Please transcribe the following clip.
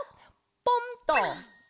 ポンっと。